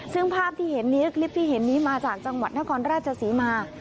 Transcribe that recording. ซึ่งภาพที่เห็นนี้คลิปที่เห็นนี้มาจากจังหวัดนครราชศรีมา